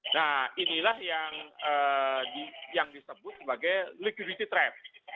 nah inilah yang disebut sebagai likuidity trap